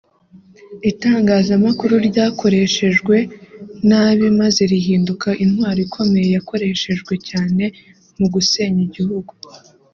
Itangazamakuru ryakoreshejwe nabi maze rihinduka intwaro ikomeye yakoreshejwe cyane mu gusenya igihugu